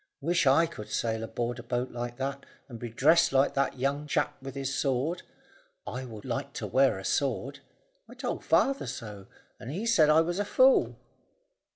"Wish I could sail aboard a boat like that, and be dressed like that young chap with his sword. I would like to wear a sword. I told father so, and he said I was a fool."